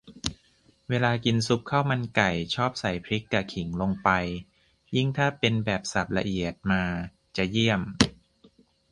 เวลากินซุปข้าวมันไก่ ชอบใส่พริกกะขิงลงไป ยิ่งถ้าเป็นแบบสับละเอียดมาจะเยี่ยม